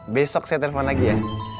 besok saya telepon lagi ya